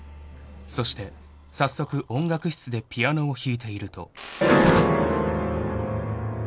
［そして早速音楽室でピアノを弾いていると］